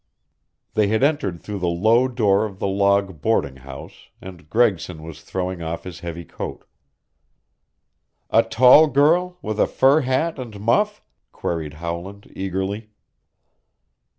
They had entered through the low door of the log boarding house and Gregson was throwing off his heavy coat. "A tall girl, with a fur hat and muff?" queried Howland eagerly.